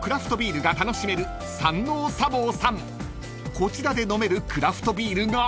［こちらで飲めるクラフトビールが］